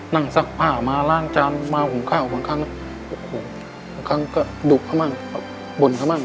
นั่งซักผ่ามาร่างจานมาห่วงข้าวบางครั้งห่วงข้างก็ดุบเข้ามากบ่นเข้ามาก